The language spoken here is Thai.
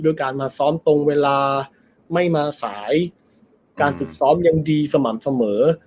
การมาซ้อมตรงเวลาไม่มาสายการฝึกซ้อมยังดีสม่ำเสมอ